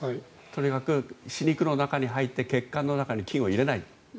とにかく歯肉の中に入って血管の中に菌を入れない。